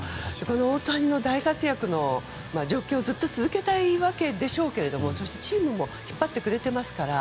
大谷の大活躍の状況をずっと続けたいわけでしょうけどもそしてチームも引っ張ってくれていますから。